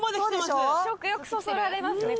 食欲そそられますね